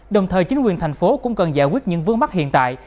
đồng thời chính quyền thành phố cũng cần giải quyết những vương mắc hiện tại